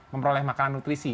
memperoleh makanan nutrisi